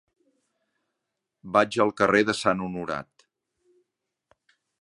Vaig al carrer de Sant Honorat.